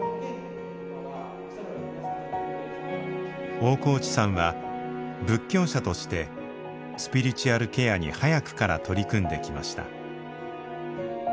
大河内さんは仏教者としてスピリチュアルケアに早くから取り組んできました。